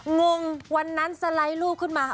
งงวันนั้นสไลด์ลูกขึ้นมา